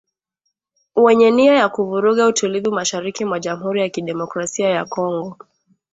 Wenye nia ya kuvuruga utulivu mashariki mwa Jamhuri ya Kidemokrasia ya Kongo